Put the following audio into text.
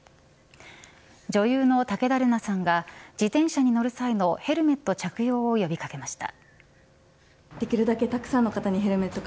女優の武田玲奈さんが自転車に乗る際のヘルメット着用を呼び掛けました。